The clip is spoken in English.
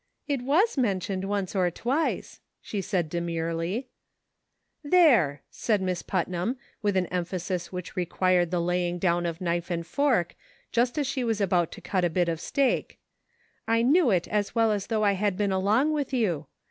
" It was mentioned once or twice," she said demurely. 126 CIRCLES. " There," said Miss Putnam, with an emphasis which required the laying down of knife and fork, just as she was about to cut a bit of steak, "I knew it as well as though I had been along with you.